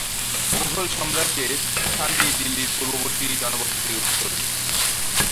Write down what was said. মুঘল সাম্রাজ্যের স্থানটি দিল্লির পূর্ববর্তী জনবসতির উত্তরে।